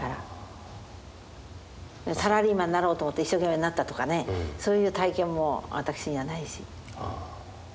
サラリーマンなろうと思って一生懸命なったとかねそういう体験も私にはないし。